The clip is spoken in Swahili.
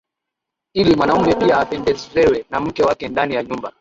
ili mwanaume pia apendezewe na mke wake ndani ya nyumba